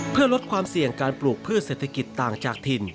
เพื่อลดความเสี่ยงการปลูกพืชเศรษฐกิจต่างจากถิ่น